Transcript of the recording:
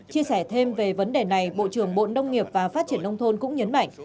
chia sẻ thêm về vấn đề này bộ trưởng bộ nông nghiệp và phát triển nông thôn cũng nhấn mạnh